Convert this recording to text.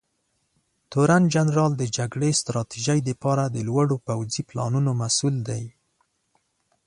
تورنجنرال د جګړې ستراتیژۍ لپاره د لوړو پوځي پلانونو مسوول دی.